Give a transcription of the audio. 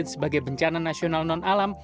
sebagai bencana nasional non alam